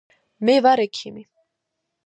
მე ვარ ექიმი